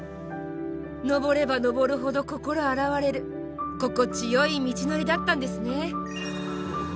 登れば登るほど心洗われる心地よい道のりだったんですね。